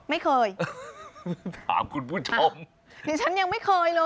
ไม่เคยถามคุณผู้ชมดิฉันยังไม่เคยเลย